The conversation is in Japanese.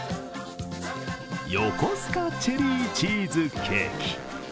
ヨコスカチェリーチーズケーキ。